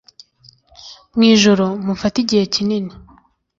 mu ijoro, mufate igihe kinini